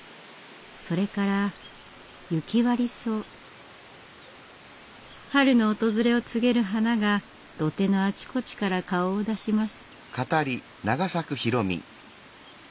それから春の訪れを告げる花が土手のあちこちから顔を出します。